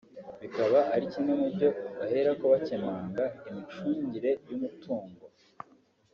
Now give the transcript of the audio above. bikaba ari kimwe mu byo baheraho bakemanga imicungire y’umutungo